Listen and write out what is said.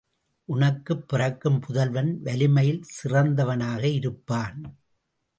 உனக்குப் பிறக்கும் புதல்வன் வலிமையில் சிறந்தவனாக இருப்பான்!